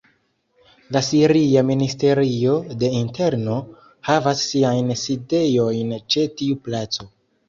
La Siria Ministerio de Interno havas siajn sidejojn ĉe tiu placo.